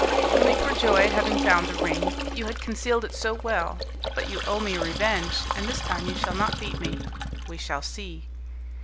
"Only for joy at having found the ring; you had concealed it so well! But you owe me a revenge, and this time you shall not beat me." "We shall see."